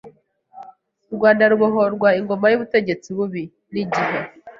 u Rwanda rubohorwa ingoma y’ubutegetsi bubi. N’igihe